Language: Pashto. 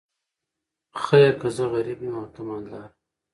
خیر که زه غریب یم او ته مالداره.